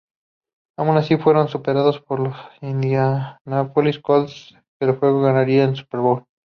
Aun así fueron superados por los Indianapolis Colts, que luego ganarían el Super Bowl.